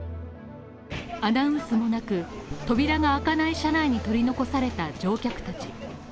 アナウンスもなく、扉が開かない車内に取り残された乗客たち。